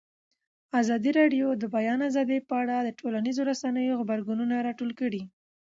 ازادي راډیو د د بیان آزادي په اړه د ټولنیزو رسنیو غبرګونونه راټول کړي.